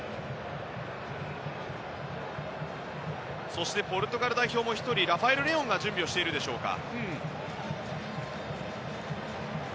そしてポルトガル代表も１人ラファエル・レオンが準備をしているでしょうか。